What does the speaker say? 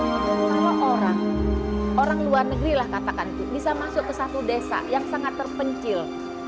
kalau orang orang luar negeri lah katakan bisa masuk ke satu desa yang sangat terpencil